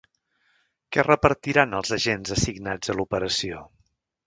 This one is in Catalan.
Què repartiran els agents assignats a l'operació?